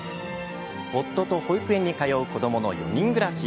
夫と保育園に通う子どもの４人暮らし。